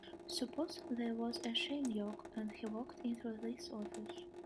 Suppose there was a Shane York and he walked into this office.